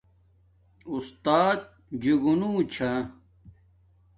اُستات جنگونو چھا